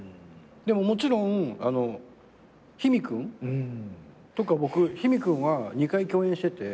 もちろん緋美君とか僕緋美君は２回共演してて。